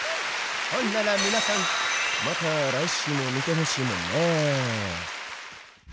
ほんだら皆さんまた来週も見てほしいもんね。